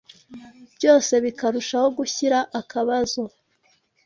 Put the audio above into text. byose bikarushaho gushyira akabazo